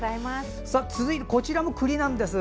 続いてはこちらも、くりです。